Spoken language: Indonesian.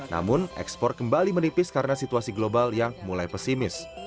namun ekspor kembali menipis karena situasi global yang mulai pesimis